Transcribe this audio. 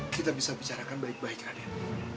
kita bisa bicarakan baik baik raden